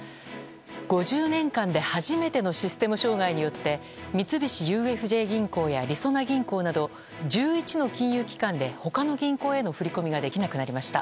５０年間で初めてのシステム障害によって三菱ＵＦＪ銀行やりそな銀行など１１の金融機関で他の銀行への振り込みができなくなりました。